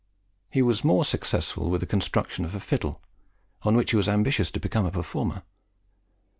He was more successful with the construction of a fiddle, on which he was ambitious to become a performer.